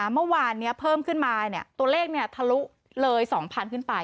เมื่อวานนี้เพิ่มขึ้นมาตัวเลขทะลุเลย๒๐๐๐ขึ้นไป